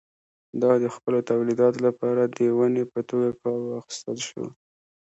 دا د خپلو تولیداتو لپاره د ونې په توګه کار واخیستل شول.